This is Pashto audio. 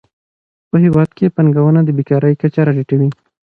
په هیواد کې پانګونه د بېکارۍ کچه راټیټوي.